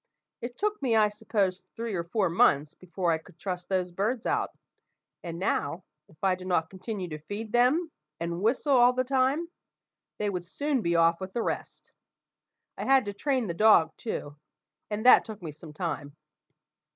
It took me, I suppose, three or four months before I could trust those birds out; and now, if I did not continue to feed them, and whistle all the time, they would soon be off with the rest. I had to train the dog, too; and that took me some time.